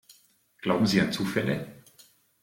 Glauben Sie an Zufälle?